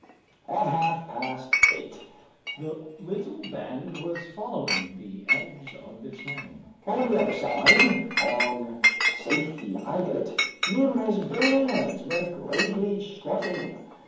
At half past eight the little band was following the edge of the channel. On the other side, on Safety Islet, numerous birds were gravely strutting.